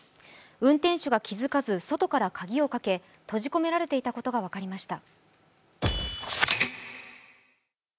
運転手が気づかず外から鍵をかけ閉じ込められていたことが分かりました。